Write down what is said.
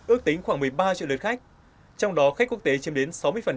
ước tính khoảng một mươi ba triệu lượt khách trong đó khách quốc tế chiếm đến sáu mươi